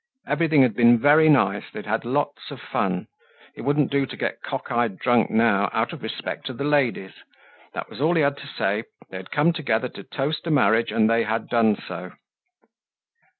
Everything had been very nice; they had had lots of fun. It wouldn't do to get cockeyed drunk now, out of respect to the ladies. That was all he had to say, they had come together to toast a marriage and they had done so.